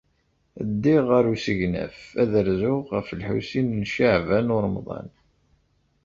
Ddiɣ ɣer usegnaf ad rzuɣ ɣef Lḥusin n Caɛban u Ṛemḍan.